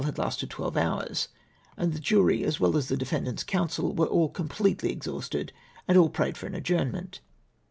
evening, when tbe trial liad lasted twelve hours, and the jury, as well as the defendants' counsel, were all completely ex hausted and all prayed for an adjournment.